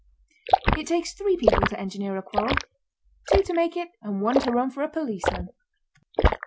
It takes three people to engineer a quarrel two to make it and one to run for a policeman.